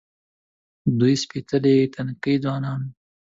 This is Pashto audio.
دوی سپېڅلي تنکي ځوانان وو.